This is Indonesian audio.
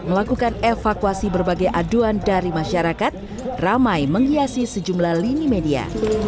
melakukan evakuasi berbagai aduan dari masyarakat ramai menghiasi sejumlah lini media